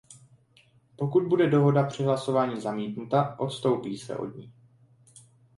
Pokud bude dohoda při hlasování zamítnuta, odstoupí se od ní.